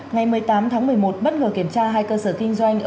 ngày một mươi tám tháng một mươi một bất ngờ kiểm tra hai cơ sở kinh doanh